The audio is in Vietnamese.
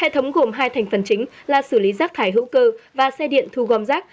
hệ thống gồm hai thành phần chính là xử lý rác thải hữu cơ và xe điện thu gom rác